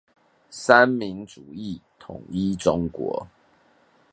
三民主義統一中國